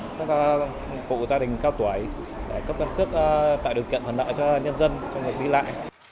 các hội gia đình cao tuổi để cấp cân cước tại được kiện hợp nợ cho nhân dân trong việc đi lại